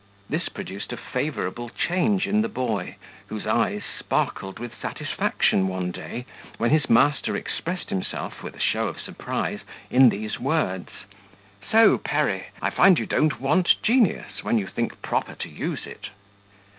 This produced a favourable change in the boy, whose eyes sparkled with satisfaction one day, when his master expressed himself, with a show of surprise, in these words: "So, Perry! I find you don't want genius, when you think proper to use it."